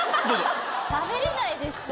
食べれないでしょ。